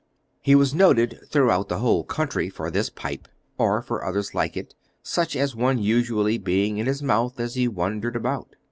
He was noted throughout the whole country for this pipe, or for others like it, such a one usually being in his mouth as he wandered about.